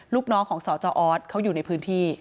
ลูกน้องของสจออสเขาอยู่ในพื้นที่